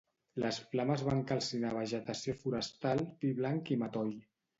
Les flames van calcinar vegetació forestal, pi blanc i matoll.